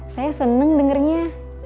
saya seneng dengernya